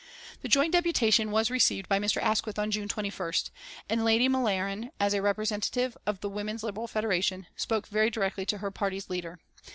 The joint deputation was received by Mr. Asquith on June 21st, and Lady M'Laren, as a representative of the Women's Liberal Federation, spoke very directly to her party's leader.